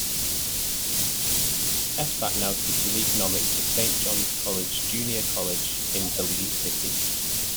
Espat now teaches economics at Saint John's College Junior College in Belize City.